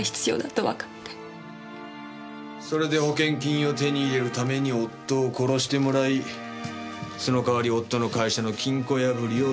それで保険金を手に入れるために夫を殺してもらいその代わりに夫の会社の金庫破りを段取った。